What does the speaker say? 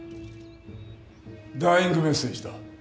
ダイイングメッセージだ。